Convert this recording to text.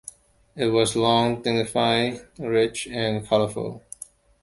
It was long, dignified, rich and colourful.